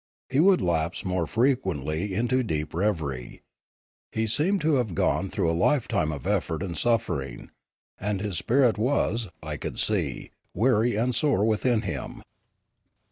He would lapse more frequently into deep reverie. He seemed to have gone through a lifetime of effort and suffering, and his spirit was, I could see, weary and sore within him.